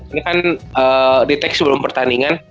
ini kan di tag sebelum pertandingan